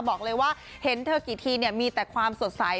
บอกเลยว่าเห็นเธอกี่ทีเนี่ยมีแต่ความสดใส